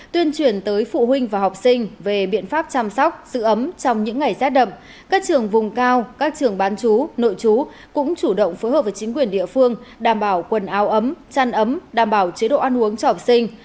tuyên truyền tới phụ huynh và học sinh về biện pháp chăm sóc giữ ấm trong những ngày rét đậm các trường vùng cao các trường bán chú nội chú cũng chủ động phối hợp với chính quyền địa phương đảm bảo quần áo ấm chăn ấm đảm bảo chế độ ăn uống cho học sinh